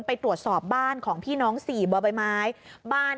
ไปตรวจสอบบ้านของพี่น้องสี่บ๊วยบ๊ายม้าย